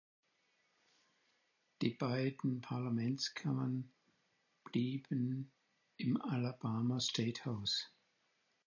Die beiden Parlamentskammern blieben im Alabama State House.